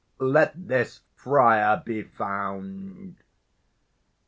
Let this friar be found.